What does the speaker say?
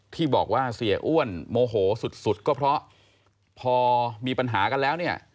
ที่บอกว่าเสียอ้วนโมโหสุดก็เพราะพอมีปัญหากันแล้วเนี่ย